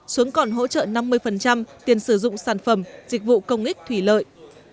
xuống còn hỗ trợ năm mươi tiền sử dụng sản phẩm dịch vụ công ích thủy lợi